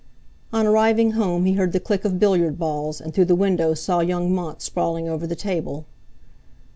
On arriving home he heard the click of billiard balls, and through the window saw young Mont sprawling over the table.